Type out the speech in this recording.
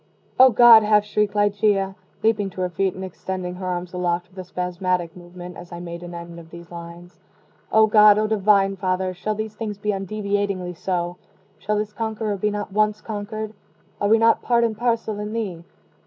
"O God!" half shrieked Ligeia, leaping to her feet and extending her arms aloft with a spasmodic movement, as I made an end of these lines "O God! O Divine Father! shall these things be undeviatingly so? shall this conqueror be not once conquered? Are we not part and parcel in Thee?